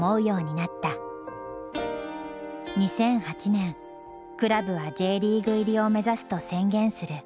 ２００８年クラブはＪリーグ入りを目指すと宣言する。